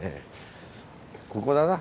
ここだな